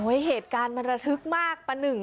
เหตุการณ์มันระทึกมากปะหนึ่ง